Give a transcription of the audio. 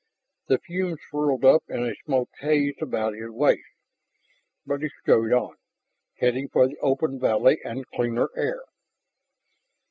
The fumes swirled up in a smoke haze about his waist, but he strode on, heading for the open valley and cleaner air.